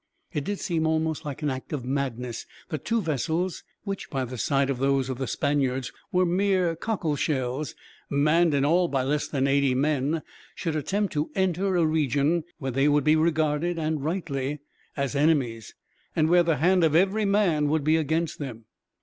It did seem almost like an act of madness that two vessels, which by the side of those of the Spaniards were mere cockleshells, manned in all by less than eighty men, should attempt to enter a region where they would be regarded, and rightly, as enemies, and where the hand of every man would be against them.